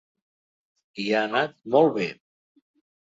I ha anat molt bé.